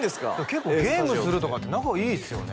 結構ゲームするとかって仲いいですよね？